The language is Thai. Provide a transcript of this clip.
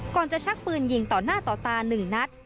ก่อนจะชักปืนยิงต่อหน้าต่อตาหนึ่งนัด